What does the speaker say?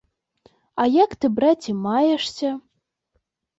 А як ты, браце, маешся?